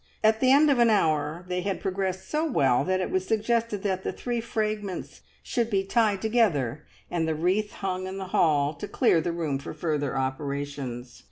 At the end of an hour they had progressed so well that it was suggested that the three fragments should be tied together, and the wreath hung in the hall, to clear the room for further operations.